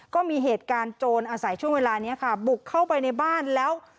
ก็มีเหตุการณ์โจรอาศัยช่วงเวลานี้ค่ะบุกเข้าไปในบ้านแล้ว